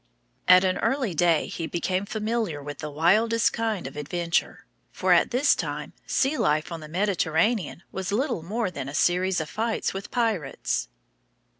At an early day he became familiar with the wildest kind of adventure, for at this time sea life on the Mediterranean was little more than a series of fights with pirates.